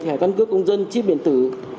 thẻ căn cước công dân chip điện tử